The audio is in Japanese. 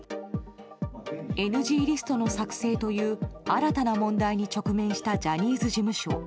ＮＧリストの作成という新たな問題に直面したジャニーズ事務所。